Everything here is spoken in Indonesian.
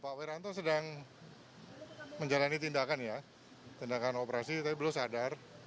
pak wiranto sedang menjalani tindakan ya tindakan operasi tapi belum sadar